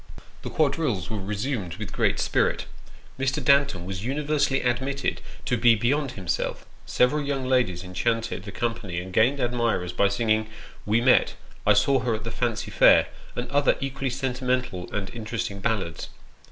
The quadrilles were resumed with great spirit. Mr. Danton was universally admitted to be beyond himself; several young ladies enchanted the company and gained admirers by singing " We met "" I saw her at the Fancy Fair " and other equally sentimental and interesting ballads.